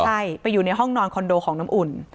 ใช่ไปอยู่ในห้องนอนคอนโดของน้ำอุ่น